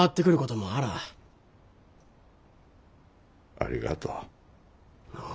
ありがとう。ああ。